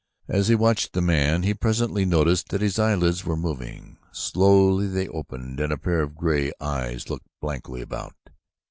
As he watched the man, he presently noticed that his eyelids were moving. Slowly they opened and a pair of gray eyes looked blankly about.